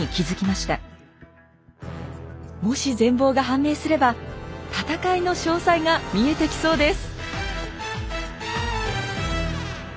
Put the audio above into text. もし全貌が判明すれば戦いの詳細が見えてきそうです。